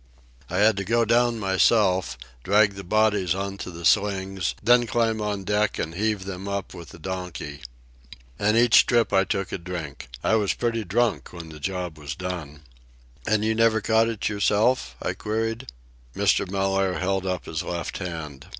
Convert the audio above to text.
"I had to go down myself, drag the bodies on to the slings, then climb on deck and heave them up with the donkey. And each trip I took a drink. I was pretty drunk when the job was done." "And you never caught it yourself?" I queried. Mr. Mellaire held up his left hand.